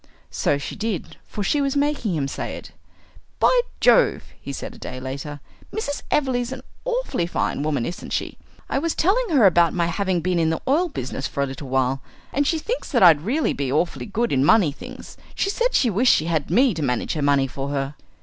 So she did, for she was making him say it. "By Jove!" he said a day later, "Mrs. Everleigh's an awfully fine woman, isn't she? I was telling her about my having been in the oil business for a little while, and she thinks that I'd really be awfully good in money things. She said she wished she had me to manage her money for her."